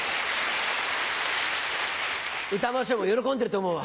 歌丸師匠も喜んでると思うわ。